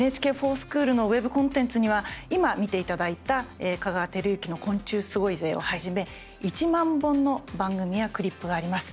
「ＮＨＫｆｏｒＳｃｈｏｏｌ」のウェブコンテンツには今、見ていただいた「香川照之の昆虫すごいぜ！」をはじめ１万本の番組やクリップがあります。